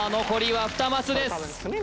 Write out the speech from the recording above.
残りは２マスです